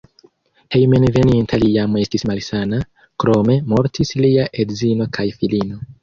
Hejmenveninta li jam estis malsana, krome mortis lia edzino kaj filino.